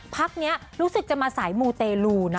พักนี้รู้สึกจะมาสายมูเตลูนะ